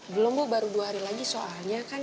belum bu baru dua hari lagi soalnya kan